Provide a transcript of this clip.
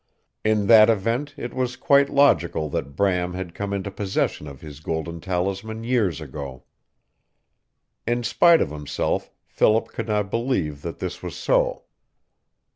In that event it was quite logical that Bram had come into possession of his golden talisman years ago. In spite of himself, Philip could not believe that this was so.